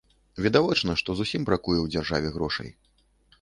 Відавочна, што зусім бракуе ў дзяржаве грошай.